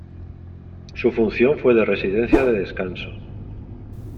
Su función fue de residencia de descanso.